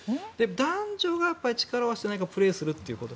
男女が力を合わせてプレーするということ。